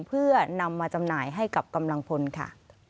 เพื่อนำมาจำหน่ายให้กับกำลังพลค่ะ